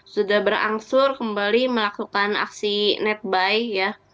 sudah berangsur kembali melakukan aksi netbuy ya